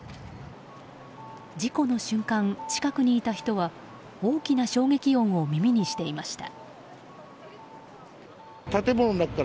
事故の瞬間、近くにいた人は大きな衝撃音を耳にしていました。